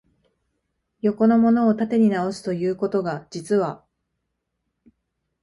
横のものを縦に直す、ということが、実は、